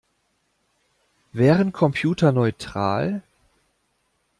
Wären Computer neutral?